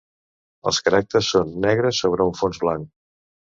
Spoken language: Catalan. Els caràcters són negres sobre un fons blanc.